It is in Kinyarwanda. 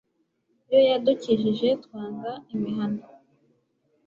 yo yadukujije twanga imihana